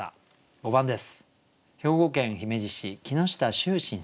５番です。